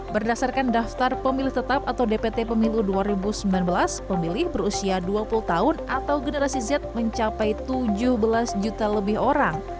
berdasarkan daftar pemilih tetap atau dpt pemilu dua ribu sembilan belas pemilih berusia dua puluh tahun atau generasi z mencapai tujuh belas juta lebih orang